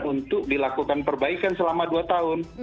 untuk dilakukan perbaikan selama dua tahun